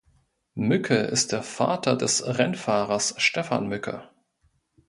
Mücke ist der Vater des Rennfahrers Stefan Mücke.